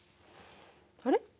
あれ？